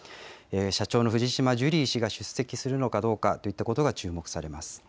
社長の藤島ジュリー氏が出席するのかどうかといったことが注目さ